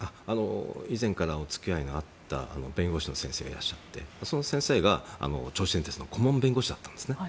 以前からお付き合いがあった弁護士の先生がいらっしゃってその先生が銚子電鉄の顧問弁護士だったんですね。